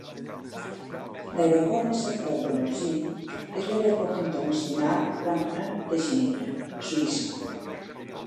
L'aeroport més a prop de Morzine és l'Aeroport Internacional Cointrin de Ginebra (Suïssa).